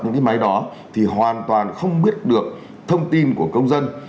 những cái máy đó thì hoàn toàn không biết được thông tin của công dân